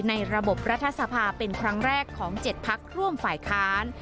ในระบบรัฐสภาเป็นครั้งแรกของ๗พักร่วมฝ่ายค้าน